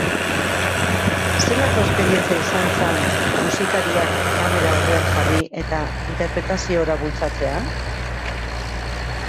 Zelako esperientzia izan zen musikariak kamera aurrean jarri eta interpretaziora bultzatzea?